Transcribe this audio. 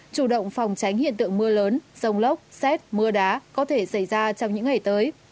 chủ động phòng tránh hiện tượng mưa lớn rông lốc xét mưa đá có thể xảy ra trong những ngày tới